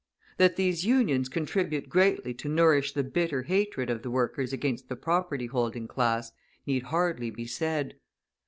That these Unions contribute greatly to nourish the bitter hatred of the workers against the property holding class need hardly be said.